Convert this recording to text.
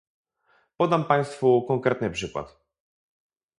Podam państwu konkretny przykład